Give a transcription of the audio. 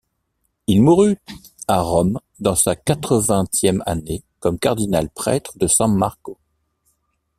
Il mourut à Rome dans sa quatre-vingtième année, comme cardinal-prêtre de San Marco.